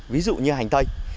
ví dụ như hành tây